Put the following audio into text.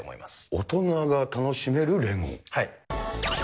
大人が楽しめるレゴ？